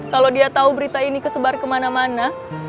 kalau dia tahu berita ini kesebar kemana mana